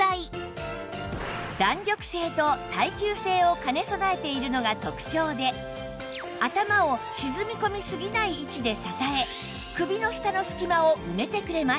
弾力性と耐久性を兼ね備えているのが特長で頭を沈み込みすぎない位置で支え首の下の隙間を埋めてくれます